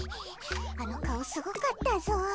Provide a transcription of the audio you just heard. あの顔すごかったぞ。